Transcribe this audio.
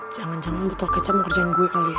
jangan jangan butuh kecap mau kerjain gue kali ya